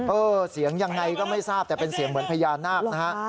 เออเสียงยังไงก็ไม่ทราบแต่เป็นเสียงเหมือนพญานาคนะฮะ